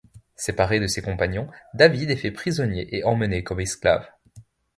Séparé de ses compagnons, David est fait prisonnier et emmené comme esclave.